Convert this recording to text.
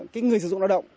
cái người sử dụng lao động